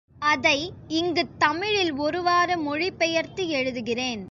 அதை இங்குத் தமிழில் ஒருவாறு மொழி பெயர்த்து எழுதுகிறேன்.